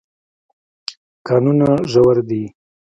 کانونه ژور دي.